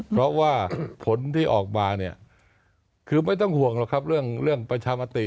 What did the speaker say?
เพราะว่าผลที่ออกมาเนี่ยคือไม่ต้องห่วงหรอกครับเรื่องประชามติ